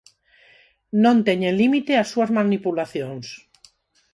Non teñen límite as súas manipulacións.